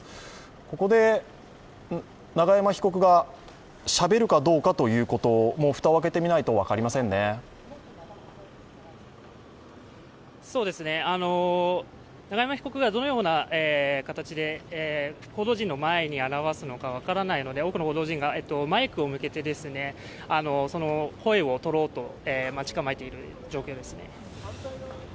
ここで永山被告がしゃべるかどうかということも、蓋を開いてみないと永山被告がどのような形で、報道陣の前に現れるのか分からないので、多くの報道陣がマイクを向けて声をとろうと待ち構えている情景ですね。